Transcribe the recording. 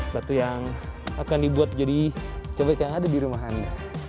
batu yang akan dibuat jadi cobek yang ada di rumah anda